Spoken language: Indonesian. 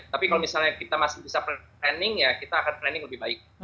tapi kalau misalnya kita masih bisa planning ya kita akan planning lebih baik